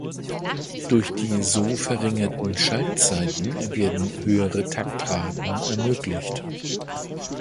Durch die so verringerten Schaltzeiten werden höhere Taktraten ermöglicht.